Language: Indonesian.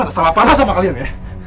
gua ga ada sewa padah sama kalian ya